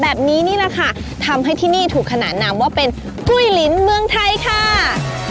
แบบนี้นี่แหละค่ะทำให้ที่นี่ถูกขนานนามว่าเป็นกล้วยลิ้นเมืองไทยค่ะ